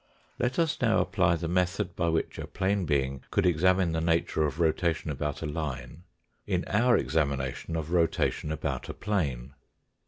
Let us now apply the method by which a plane being could examine the nature of rota tion about a line in our examination of rotation about a plane.